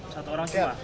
satu orang cuma